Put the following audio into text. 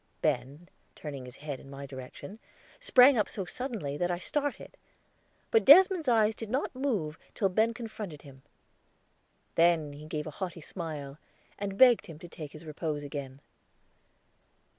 Ben, turning his head in my direction, sprang up so suddenly that I started; but Desmond's eyes did not move till Ben confronted him; then he gave him a haughty smile, and begged him to take his repose again.